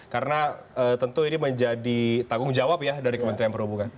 karena tentu ini menjadi tanggung jawab ya dari kementerian perubahan